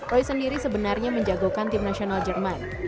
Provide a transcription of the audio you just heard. roy sendiri sebenarnya menjagokan tim nasional jerman